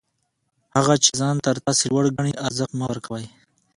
هغه چي ځان تر تاسي لوړ ګڼي، ارزښت مه ورکوئ!